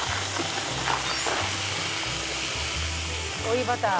「追いバター」